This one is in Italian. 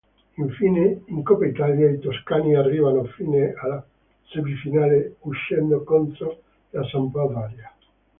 Infine, in Coppa Italia i toscani arrivano fino alla semifinale, uscendo contro la Sampdoria.